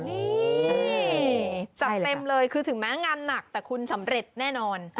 นี่จัดเต็มเลยคือถึงแม้งานหนักแต่คุณสำเร็จแน่นอน